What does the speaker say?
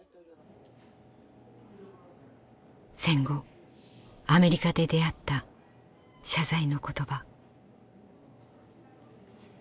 戦後アメリカで出会った謝罪の言葉。